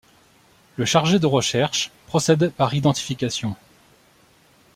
Le chargé de recherche procède par identification.